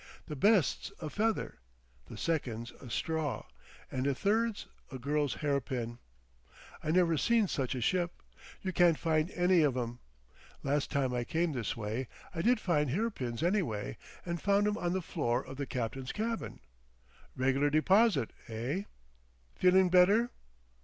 "The best's a feather, the second's a straw, and the third's a girl's hairpin. I never see such a ship. You can't find any of 'em. Last time I came this way I did find hairpins anyway, and found 'em on the floor of the captain's cabin. Regular deposit. Eh?... Feelin' better?"